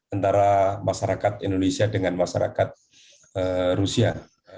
antara masyarakat indonesia dengan masyarakat rusia